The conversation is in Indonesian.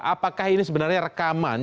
apakah ini sebenarnya rekaman